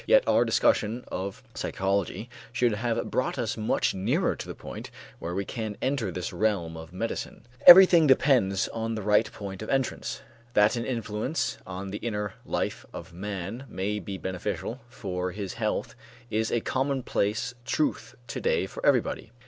Yet our discussion of psychology should have brought us much nearer to the point where we can enter this realm of medicine. Everything depends on the right point of entrance. That an influence on the inner life of man may be beneficial for his health is a commonplace truth to day for everybody.